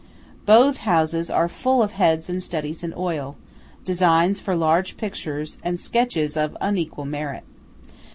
Both houses are full of heads and studies in oil, designs for large pictures, and sketches of unequal merit.